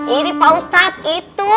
ini pak ustad itu